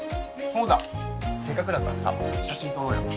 そうだせっかくだからさ写真撮ろうよ。